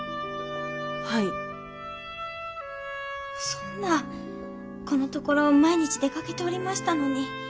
そんなこのところ毎日出かけておりましたのに。